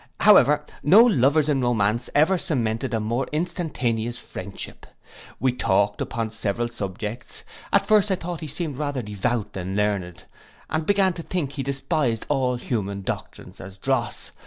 However, no lovers in romance ever cemented a more instantaneous friendship. We talked upon several subjects: at first I thought he seemed rather devout than learned, and began to think he despised all human doctrines as dross.